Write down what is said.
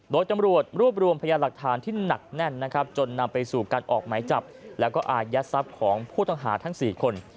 โดยตำรวจรวบรวมพยาหลักฐานที่หนักแน่นนะครับจนนำไปสู่การออกหมายจับแล้วก็อายัดทรัพย์ของผู้ต้องหาทั้ง๔คน